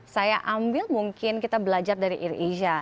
saya ambil mungkin kita belajar dari air asia